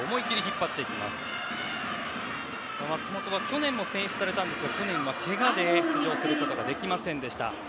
松本は去年も選出されたんですが去年はけがで出場することができませんでした。